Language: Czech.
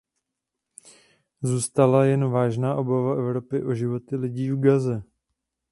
Zůstala jen vážná obava Evropy o životy lidí v Gaze.